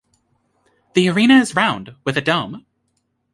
The Arena is round, with a dome.